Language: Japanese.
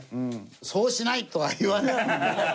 「そうしない！」とは言わないもんね。